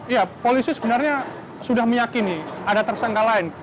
ya polisi sebenarnya sudah meyakini ada tersangka lain